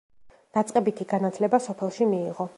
დაწყებითი განათლება სოფელში მიიღო.